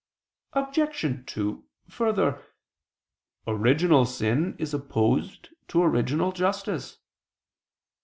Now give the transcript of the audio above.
Obj. 2: Further, original sin is opposed to original justice.